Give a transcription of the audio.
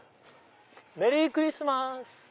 メリークリスマス！